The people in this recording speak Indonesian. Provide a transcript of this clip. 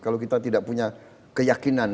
kalau kita tidak punya keyakinan